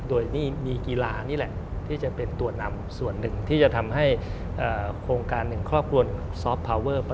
โดยมีกยิลานี่แหละที่จะเป็นตัวนำส่วนหนึ่งที่จะทำให้โครงการ๑ครอบครัว